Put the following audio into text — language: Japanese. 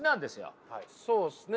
そうですね。